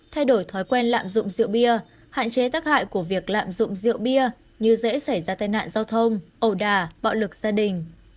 thay đổi thói quen lạm dụng rượu bia hạn chế tác hại của việc lạm dụng rượu bia như dễ xảy ra tai nạn giao thông ẩu đà bạo lực gia đình